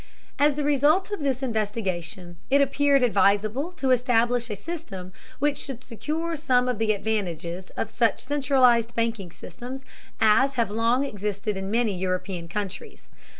As the result of this investigation it appeared advisable to establish a system which should secure some of the advantages of such centralized banking systems as have long existed in many European countries.